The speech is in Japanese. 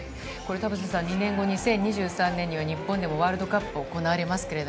２年後、２０２３年には日本でもワールドカップが行われます。